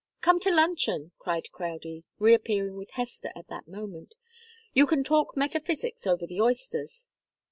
"Come to luncheon!" cried Crowdie, reappearing with Hester at that moment. "You can talk metaphysics over the oysters."